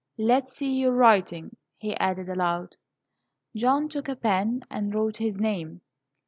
"Let's see your writing," he added aloud. John took a pen and wrote his name.